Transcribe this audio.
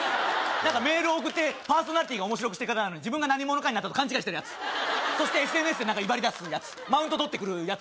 何かメール送ってパーソナリティーが面白くしてるからなのに自分が何者かになったと勘違いしてるヤツそしてＳＮＳで何か威張りだすヤツマウントとってくるヤツ